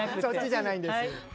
そっちじゃないんです。